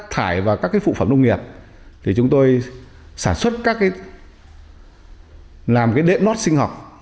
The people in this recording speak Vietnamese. thải vào các cái phụ phẩm nông nghiệp thì chúng tôi sản xuất các cái làm cái đếm nốt sinh học